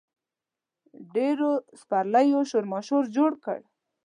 ډېرو سپرلیو شورماشور جوړ کړ.